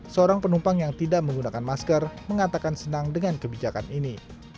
seorang penumpang yang tidak menggunakan masker mengatakan senang dengan kebijakan ini